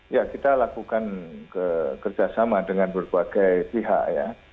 ya kita lakukan kerjasama dengan berbagai pihak ya